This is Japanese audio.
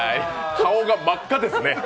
顔が真っ赤ですね。